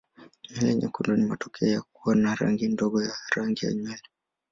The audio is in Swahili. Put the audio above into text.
Nywele nyekundu ni matokeo ya kuwa na rangi ndogo ya rangi ya nywele.